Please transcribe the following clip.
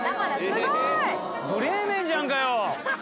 ブレーメンじゃんかよ。